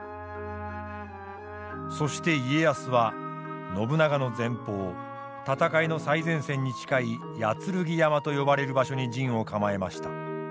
そして家康は信長の前方戦いの最前線に近い八剱山と呼ばれる場所に陣を構えました。